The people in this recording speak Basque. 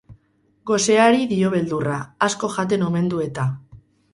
Goseari dio beldurra, asko jaten omen du eta.